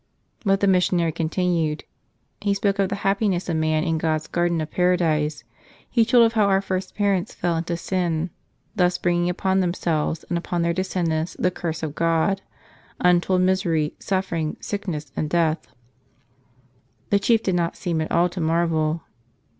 But the missionary continued. Pie spoke of the hap¬ piness of man in God's garden of Paradise; he told of how our first parents fell into sin, thus bringing upon themselves and upon their descendants the curse of God, untold misery, suffering, sickness, and death. The chief did not seem at all to marvel.